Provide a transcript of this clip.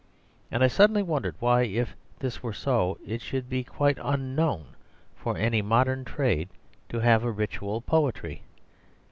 And I suddenly wondered why if this were so it should be quite unknown, for any modern trade to have a ritual poetry.